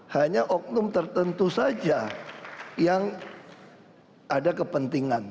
hanya oknum tertentu saja yang ada kepentingan